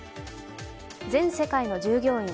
全世界の従業員